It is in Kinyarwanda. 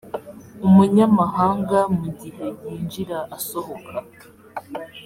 umunyamahanga mu gihe yinjira asohoka